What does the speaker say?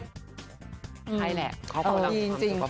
ใช่แหละเขากำลังทำเรื่องประพอบ